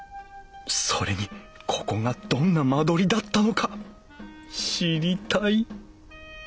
それにここがどんな間取りだったのか知りたい！